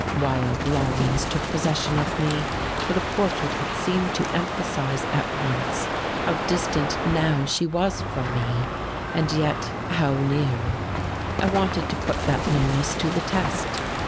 Wild longings took possession of me, for the portrait had seemed to emphasize at once how distant now she was from me, and yet how near! I wanted to put that nearness to the test.